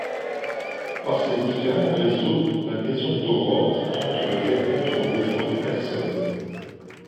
Par ses différents réseaux, La Maison d’Aurore tente de répondre aux besoins des personnes.